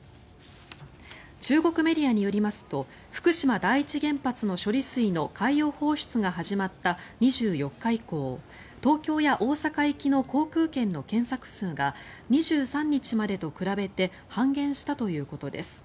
中国メディアによりますと福島第一原発の処理水の海洋放出が始まった２４日以降東京や大阪行きの航空券の検索数が２３日までと比べて半減したということです。